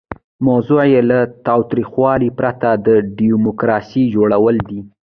موضوع یې له تاوتریخوالي پرته د ډیموکراسۍ جوړول دي.